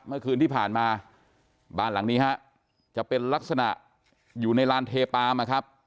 เมื่อคืนที่ผ่านมาบ้านหลังนี้ฮะจะเป็นลักษณะอยู่ในลานเทปามนะครับ